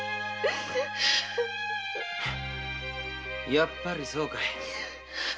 やっぱりそうかい。